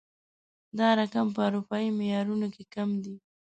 دا رقم په اروپايي معيارونو کې کم دی